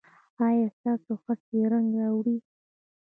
ایا ستاسو هڅې رنګ راوړي؟